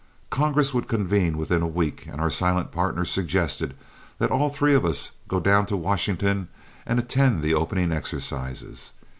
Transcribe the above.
Congress would convene within a week, and our silent partner suggested that all three of us go down to Washington and attend the opening exercises.